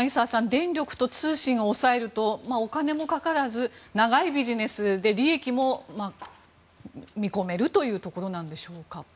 電力と通信を抑えるとお金もかからず長いビジネスで利益も見込めるというところなんでしょうか。